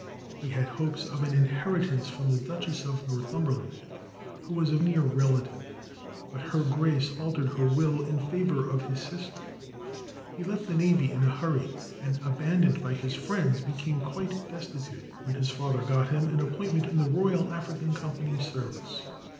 He had hopes of an inheritance from the Duchess of Northumberland, who was a near relative, but her Grace altered her will in favour of his sister. He left the navy in a hurry, and, abandoned by his friends, became quite destitute, when his father got him an appointment in the Royal African Company's service.